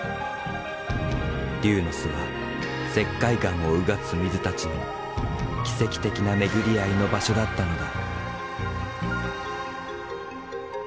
龍の巣は石灰岩を穿つ水たちの奇跡的な巡り会いの場所だったのだ。